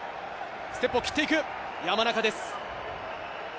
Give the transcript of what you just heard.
ステップを切っていく、山中です。